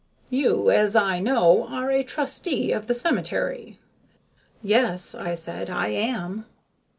You, as I know, are a trustee of the cemetery." "Yes," I said, "I am."